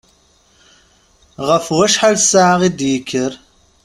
Ɣef wacḥal ssaɛa i d-yekker?